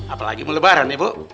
apalagi melebaran ibu